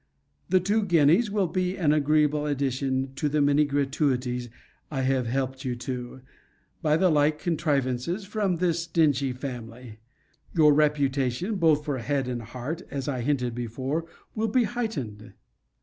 The two guineas will be an agreeable addition to the many gratuities I have helped you to, by the like contrivances, from this stingy family. Your reputation, both for head and heart, as I hinted before, will be heightened.